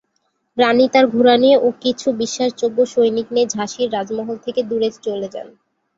রানী তার ঘোড়া নিয়ে ও কিছু বিশ্বাস যোগ্য সৈনিক নিয়ে ঝাঁসির রাজমহল থেকে দূরে চলে যান।